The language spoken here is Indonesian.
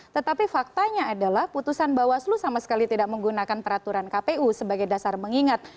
tetapi faktanya adalah putusan bawaslu sama sekali tidak menggunakan peraturan kpu sebagai dasar mengingat